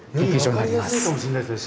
より分かりやすいかもしれないですね